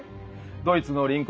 ドイツの隣国